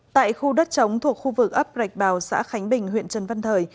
tại khu đất chống thuộc khu vực ấp rạch bào xã khánh bình huyện trần văn thời